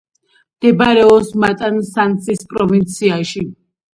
მდებარეობს მატანსასის პროვინციაში.